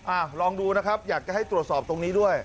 ลองดูนะครับอยากจะให้ตรวจสอบตรงนี้ด้วย